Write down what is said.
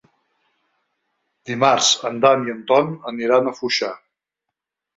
Dimarts en Dan i en Ton aniran a Foixà.